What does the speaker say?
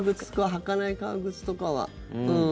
履かない革靴とかは。